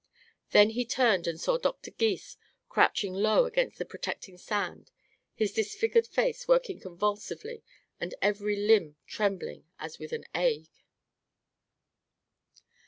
Then he turned and saw Doctor Gys, crouching low against the protecting sand, his disfigured face working convulsively and every limb trembling as with an ague.